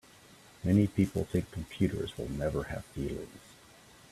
Many people think computers will never have feelings.